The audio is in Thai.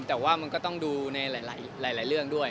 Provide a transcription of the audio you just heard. แต่ว่ามันก็ต้องดูในหลายเรื่องด้วย